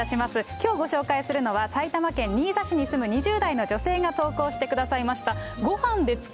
きょうご紹介するのは、埼玉県新座市に住む２０代の女性が投稿してくださいました。